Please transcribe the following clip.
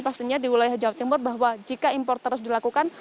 pastinya di wilayah jawa timur bahwa jika impor terus dilakukan